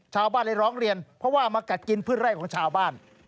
ชาวบ้านเลยร้องเรียนเพราะว่ามากัดกินพืชไร่ของชาวบ้าน